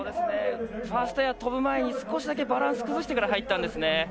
ファーストエア飛ぶ前に少しだけバランス、崩してから入ったんですね。